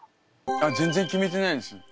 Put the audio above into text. あっ全然決めてないです。